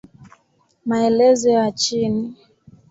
Maelezo ya chini